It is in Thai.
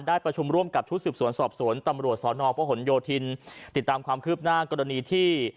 ประชุมร่วมกับชุดสืบสวนสอบสวนตำรวจสอนอพหนโยธินติดตามความคืบหน้ากรณีที่